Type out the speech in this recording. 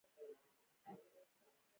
دغه نقشونه شاوخوا نهه زره کاله پخواني دي.